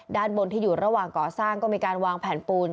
ด้านบนที่อยู่ระหว่างก่อสร้างก็มีการวางแผนปูน